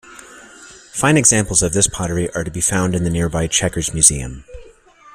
Fine examples of this pottery are to be found in the nearby Chequers Museum.